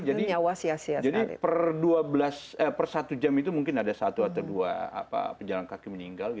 jadi per satu jam itu mungkin ada satu atau dua pejalan kaki meninggal